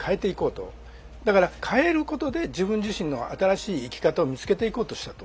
だから変えることで自分自身の新しい生き方を見つけていこうとしたと。